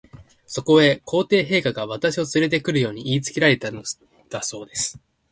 そこへ、皇帝陛下が、私をつれて来るよう言いつけられたのだそうです。